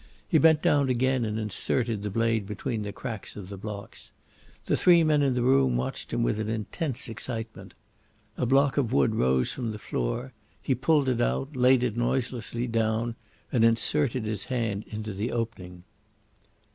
He bent down again and inserted the blade between the cracks of the blocks. The three men in the room watched him with an intense excitement. A block of wood rose from the floor, he pulled it out, laid it noiselessly down, and inserted his hand into the opening.